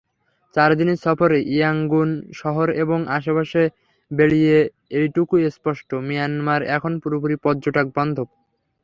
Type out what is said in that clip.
চার দিনের সফরে ইয়াঙ্গুন শহর এবং আশপাশে বেড়িয়ে এইটুকু স্পষ্ট—মিয়ানমার এখন পুরোপুরি পর্যটকবান্ধব।